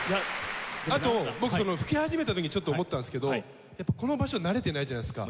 あと僕吹き始めた時にちょっと思ったんですけどやっぱこの場所慣れてないじゃないですか。